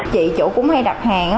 chị chủ cũng hay đặt hàng á